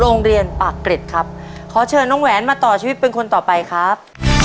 โรงเรียนปากเกร็ดครับขอเชิญน้องแหวนมาต่อชีวิตเป็นคนต่อไปครับ